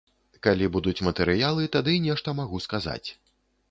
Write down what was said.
Калі будуць матэрыялы, тады нешта магу сказаць.